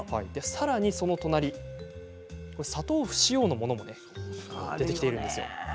さらに、その隣砂糖不使用のものも出てきているんですよ。